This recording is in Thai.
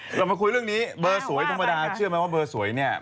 เรามาคุยเรื่องนี้เบอร์สวยธรรมดาเชื่อไหมว่าเบอร์สวยเนี่ย